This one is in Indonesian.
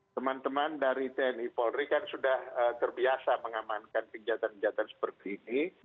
teman teman dari tni polri kan sudah terbiasa mengamankan kejahatan senjata seperti ini